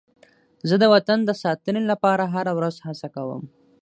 زه د وطن د ساتنې لپاره هره ورځ هڅه کوم.